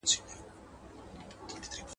• ښه انگور چغال خوري.